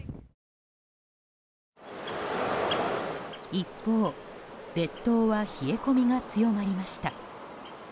一方、列島は冷え込みが強まりました。